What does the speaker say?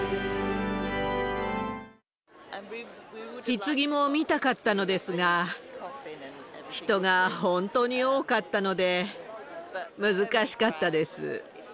ひつぎも見たかったのですが、人が本当に多かったので、難しかったです。